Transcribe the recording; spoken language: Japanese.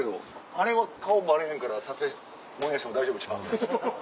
あれは顔バレへんから撮影オンエアしても大丈夫ちゃう？